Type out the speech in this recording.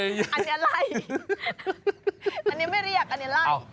อันนี้อะไรอันนี้ไม่เรียกอันนี้อะไร